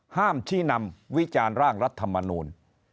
ห้ามที่นำวิจารณ์ร่างรัฐมนูล